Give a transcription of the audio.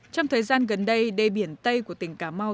trong thời gian gần đây đê biển tây của tỉnh cà mau